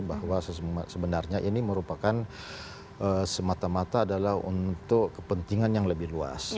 bahwa sebenarnya ini merupakan semata mata adalah untuk kepentingan yang lebih luas